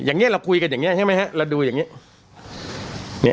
อย่างนี้เราคุยกันอย่างนี้ใช่ไหมครับเราดูอย่างนี้อย่างนี้